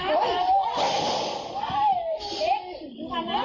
รอเราก็อะไร